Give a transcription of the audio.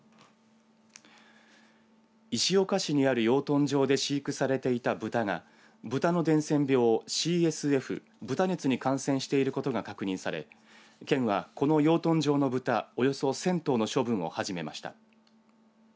石岡市にある養豚場で飼育されていたブタがブタの伝染病ＣＳＦ豚熱に感染していることが確認され県はこの養豚場でおよそ１０００頭の処分を始めました。